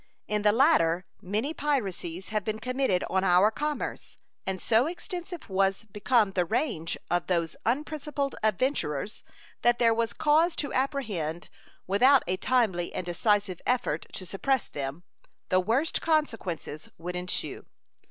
In the latter many piracies have been committed on our commerce, and so extensive was becoming the range of those unprincipled adventurers that there was cause to apprehend, without a timely and decisive effort to suppress them, the worst consequences would ensue.